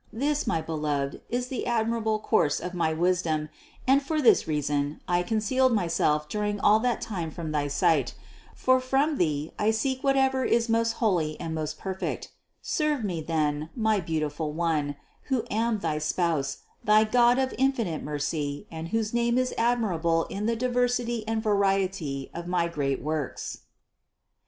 This, my Beloved, is the admirable course of my wisdom and for this reason I concealed Myself during all that time from thy sight; for from Thee I seek whatever is most holy and most perfect Serve Me then, my beautiful One, who am thy Spouse, thy God of infinite mercy and whose name is admirable in the diversity and variety of my great works."